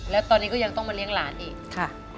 แล้วตอนนี้ก็ยังต้องมาเลี้ยงหลานอีกค่ะ